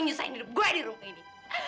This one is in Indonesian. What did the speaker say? nyusahin hidup gue di rumah ini